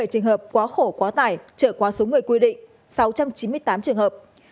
hai năm trăm bảy mươi bảy trường hợp quá khổ quá tải trợ quá số người quy định sáu trăm chín mươi tám trường hợp